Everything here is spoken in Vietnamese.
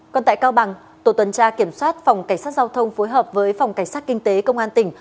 còn tại cao bằng tổ tuần tra kiểm soát phòng cảnh sát giao thông phối hợp với phòng cảnh sát kinh tế công an tỉnh